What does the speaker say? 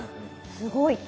すごい！